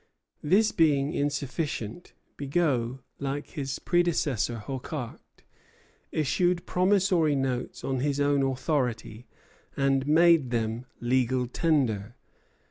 This being insufficient, Bigot, like his predecessor Hocquart, issued promissory notes on his own authority, and made them legal tender.